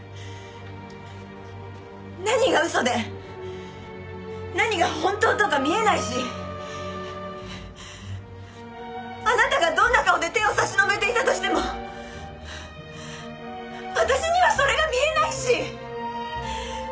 何が嘘で何が本当とか見えないしあなたがどんな顔で手を差し伸べていたとしても私にはそれが見えないし。